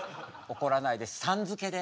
怒らないで「さん」付けで。